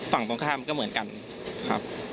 ฝั่งตรงข้ามก็เหมือนกันครับ